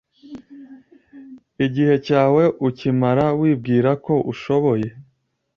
Igihe cyawe ukimara wibwirako ushoboye